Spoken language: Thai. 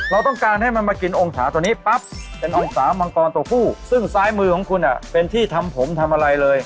เราต้องการให้มันมากินองศาตัวนี้ปั๊บเป็นองศามังกรตัวผู้ซึ่งซ้ายมือของคุณเป็นที่ทำผมทำอะไรเลย